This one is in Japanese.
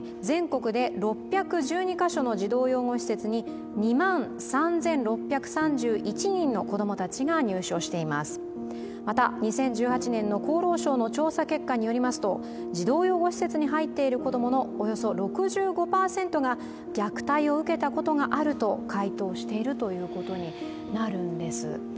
全国で６１２カ所の児童養護施設に２万３６３１人の子どもたちが入所していますまた２０１８年の厚労省の調査結果によりますと児童養護施設に入っている子どものおよそ６５％が虐待を受けたことがあると回答しているということになるんです